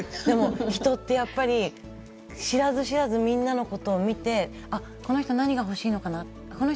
人ってやっぱり知らず知らず、みんなのことを見て、この人何が欲しいのかな、この人。